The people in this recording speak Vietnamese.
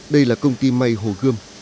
đây là công ty may hồ gươm